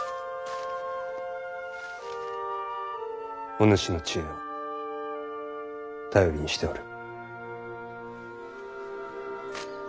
お主の知恵を頼りにしておる。